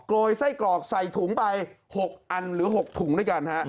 โรยไส้กรอกใส่ถุงไป๖อันหรือ๖ถุงด้วยกันฮะ